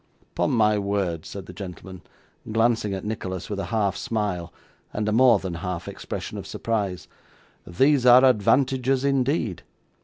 'Upon my word,' said the gentleman, glancing at Nicholas with a half smile, and a more than half expression of surprise, 'these are advantages indeed.